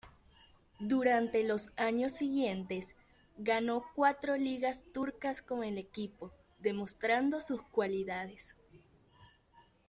Durante los años siguientes, ganó cuatro Ligas turcas con el equipo, demostrando sus cualidades.